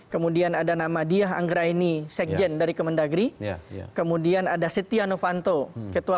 kemudian ada nama diah anggraini sekjen dari kemendagri kemudian ada setia novanto ketua